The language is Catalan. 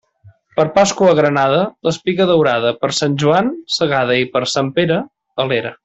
Per Pasqua granada, l'espiga daurada; per Sant Joan, segada, i per Sant Pere, a l'era.